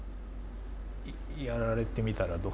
やられてみたらどう。